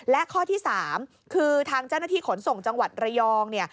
และข้อที่๓คือทางเจ้าหน้าที่ขนส่งจังหวัดระยองเนี่ย